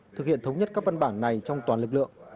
thực hiện thống nhất các văn bản này trong toàn lực lượng